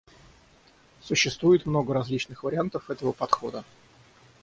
Существует много различных вариантов этого подхода.